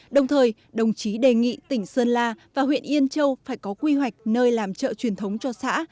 đồng thời đồng chí đề nghị tỉnh sơn la và huyện yên châu phải có quy hoạch nơi làm trợ truyền thống cho xã